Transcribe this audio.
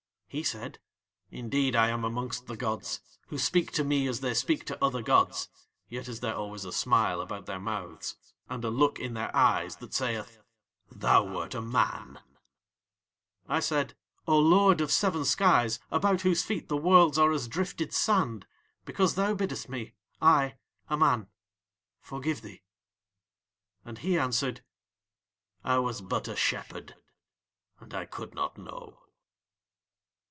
"He said: 'Indeed I am amongst the gods, who speak to me as they speak to other gods, yet is there always a smile about Their mouths, and a look in Their eyes that saith: "Thou wert a man."' "I said: 'O Lord of seven skies, about whose feet the Worlds are as drifted sand, because thou biddest me, I, a man, forgive thee.' "And he answered: 'I was but a shepherd, and I could not know.'